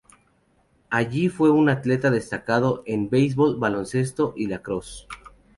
Allí fue un atleta, destacando en baseball, baloncesto y lacrosse.